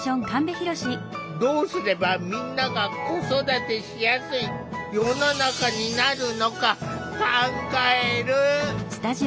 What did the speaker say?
どうすればみんなが子育てしやすい世の中になるのか考える。